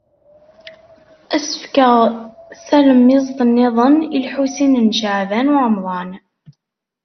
Ad as-fkeɣ talemmiẓt niḍen i Lḥusin n Caɛban u Ṛemḍan.